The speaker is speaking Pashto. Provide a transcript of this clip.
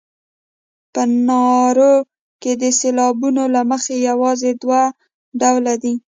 په نارو کې د سېلابونو له مخې یوازې دوه ډوله دي.